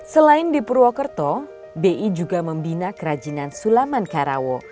selain di purwokerto bi juga membina kerajinan sulaman karawo